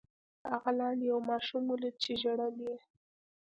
هغه لاندې یو ماشوم ولید چې ژړل یې.